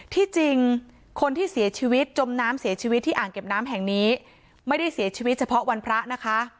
จริงคนที่เสียชีวิตจมน้ำเสียชีวิตที่อ่างเก็บน้ำแห่งนี้ไม่ได้เสียชีวิตเฉพาะวันพระนะคะ